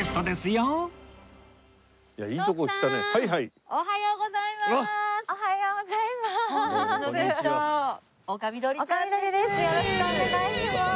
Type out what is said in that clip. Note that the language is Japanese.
よろしくお願いします。